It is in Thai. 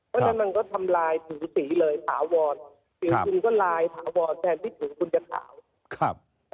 เพราะฉะนั้นมันก็ทำลายถูกสีเลยสาววอร์ดผิวขึ้นก็ลายสาววอร์ดแทนที่ถูกคุณจะขาว